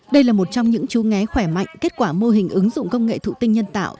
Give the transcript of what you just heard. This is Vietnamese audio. đây là một trong những chú ngé khỏe mạnh kết quả mô hình ứng dụng công nghệ thụ tinh nhân tạo